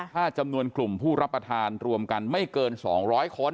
ถ้าจำนวนกลุ่มผู้รับประทานรวมกันไม่เกิน๒๐๐คน